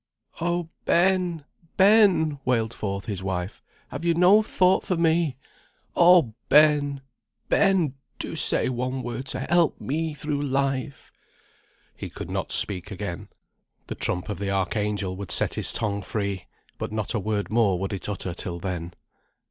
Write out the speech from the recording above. "Oh, Ben! Ben!" wailed forth his wife, "have you no thought for me? Oh, Ben! Ben! do say one word to help me through life." He could not speak again. The trump of the archangel would set his tongue free; but not a word more would it utter till then.